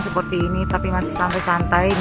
seperti ini tapi masih sampai santai